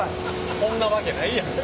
そんなわけないやんか。